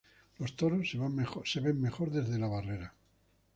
Los toros se ven mejor desde la barrera